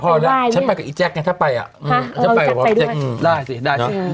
พอแล้วฉันไปกับอีแจ๊กไงถ้าไปอะหาเออผมจะไปด้วยอืมได้สิได้สิ